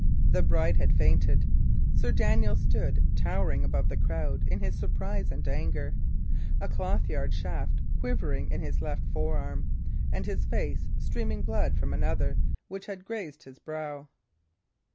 The bride had fainted. Sir Daniel stood, towering above the crowd in his surprise and anger, a clothyard shaft quivering in his left forearm, and his face streaming blood from another which had grazed his brow.